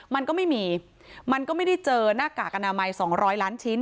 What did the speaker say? มันก็ไม่มีมันก็ไม่ได้เจอหน้ากากอนามัย๒๐๐ล้านชิ้น